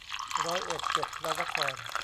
ร้อยเอ็ดเจ็ดพระนคร